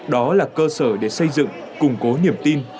đó là cơ sở để xây dựng củng cố niềm tin